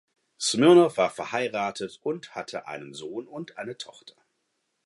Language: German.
Smirnow war verheiratet und hatte einen Sohn und eine Tochter.